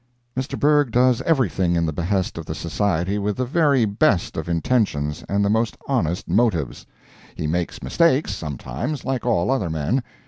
Mr. Bergh does everything in the behest of the Society with the very best of intentions and the most honest motives. He makes mistakes, sometimes, like all other men.